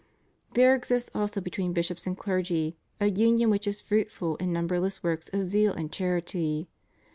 There exists also between bishops and clergy a union which is fruitful in mmiberless works of zeal and charity.